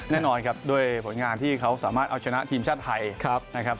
แน่นอนครับด้วยผลงานที่เขาสามารถเอาชนะทีมชาติไทยนะครับ